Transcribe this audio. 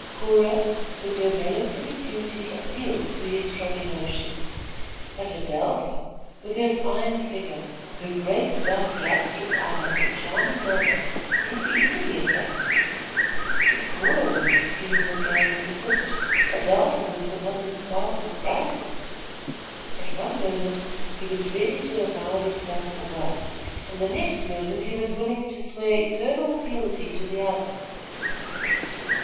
Cora, with her melancholy beauty, appealed to his strong emotions; but Adelpha, with her fine figure, her great, dark, lustrous eyes and charming manner, seemed equally attractive. If Cora were the stream that ran deepest, Adelpha was the one that sparkled brightest. At one moment he was ready to avow his love for one, and the next moment he was willing to swear eternal fealty to the other.